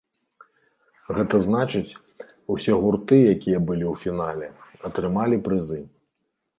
Гэта значыць, усе гурты, якія былі ў фінале, атрымалі прызы.